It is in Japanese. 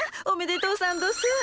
おめでとうさんどす。